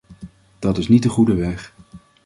Dat is niet de goede weg.